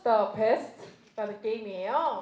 โอเค